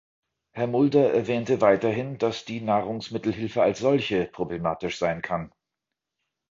Herr Mulder erwähnte weiterhin, dass die Nahrungsmittelhilfe als solche problematisch sein kann.